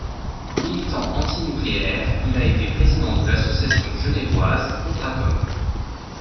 Militant anti-nucléaire, il a été président de l’association genevoise Contratom.